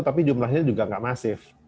tapi jumlahnya juga nggak masif